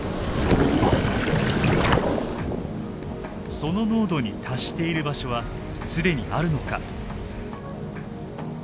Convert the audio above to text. その濃度に達している場所は既にあるのか。